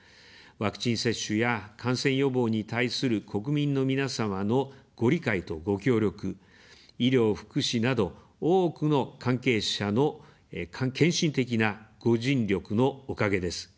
ワクチン接種や感染予防に対する国民の皆様のご理解とご協力、医療・福祉など、多くの関係者の献身的なご尽力のおかげです。